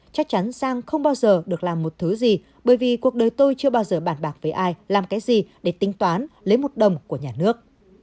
chắc chắn sang không bao giờ được làm một thứ gì bởi vì cuộc đời tôi chưa bao giờ bản bạc với ai làm cái gì để tính toán lấy một đồng của nhà nước